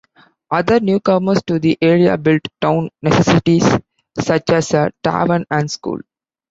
Other newcomers to the area built town necessities such as a tavern and school.